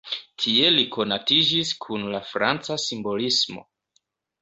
Tie li konatiĝis kun la franca simbolismo.